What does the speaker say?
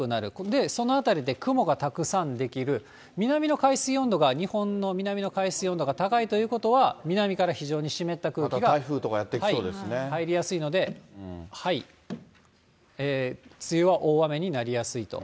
で、その辺りで雲がたくさん出来る、南の海水温度が日本の南の海水温度が高いということは、また台風とかやって来そうで入りやすいので、梅雨は大雨になりやすいと。